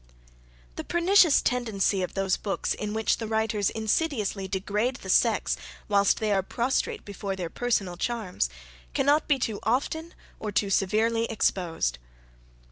The pernicious tendency of those books, in which the writers insidiously degrade the sex, whilst they are prostrate before their personal charms, cannot be too often or too severely exposed.